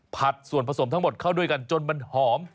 ผัดส่วนผสมทั้งหมดเข้าด้วยกันจนมันหอม